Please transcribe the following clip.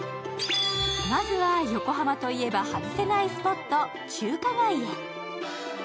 まずは、横浜といえば外せないスポット、中華街へ。